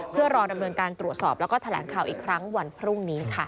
เพื่อรอดำเนินการตรวจสอบแล้วก็แถลงข่าวอีกครั้งวันพรุ่งนี้ค่ะ